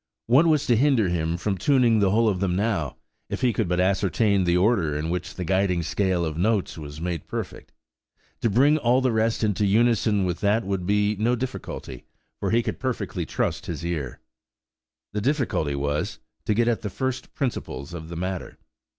What was to hinder him from tuning the whole of them now, if he could but ascertain the order in which the guiding scale of notes was made perfect? To bring all the rest into unison with that would be no difficulty, for he could perfectly trust his ear. The difficulty was, to get at the first principles of the matter.